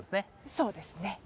そうですね